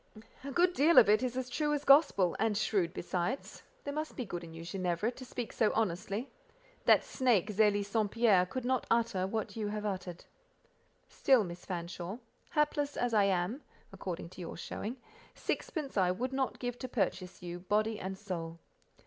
"A good deal of it is true as gospel, and shrewd besides. There must be good in you, Ginevra, to speak so honestly; that snake, Zélie St. Pierre, could not utter what you have uttered. Still, Miss Fanshawe, hapless as I am, according to your showing, sixpence I would not give to purchase you, body and soul."